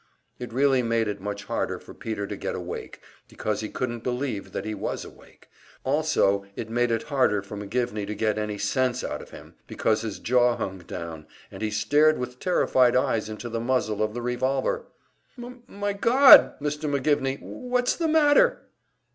It really made it much harder for Peter to get awake, because he couldn't believe that he was awake; also it made it harder for McGivney to get any sense out of him, because his jaw hung down, and he stared with terrified eyes into the muzzle of the revolver. "M m my God, Mr. McGivney! w w what's the matter?"